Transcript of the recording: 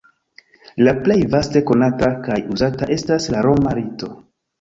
La plej vaste konata kaj uzata estas la roma rito.